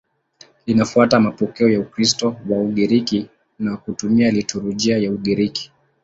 Linafuata mapokeo ya Ukristo wa Ugiriki na kutumia liturujia ya Ugiriki.